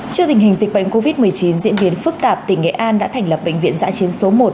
trước tình hình dịch bệnh covid một mươi chín diễn biến phức tạp tỉnh nghệ an đã thành lập bệnh viện giã chiến số một